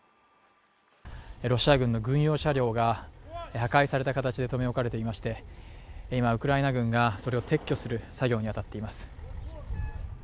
ロシア軍の軍用車両が破壊された形で留め置かれていまして今、ウクライナ軍がそれを撤去する作業に当たっています。